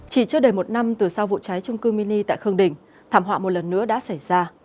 chỉ chưa đầy một năm từ sau vụ cháy trung cư mini tại khương đình thảm họa một lần nữa đã xảy ra